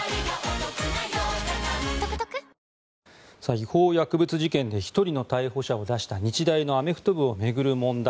違法薬物事件で１人の逮捕者を出した日大のアメフト部を巡る問題。